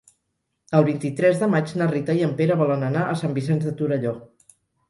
El vint-i-tres de maig na Rita i en Pere volen anar a Sant Vicenç de Torelló.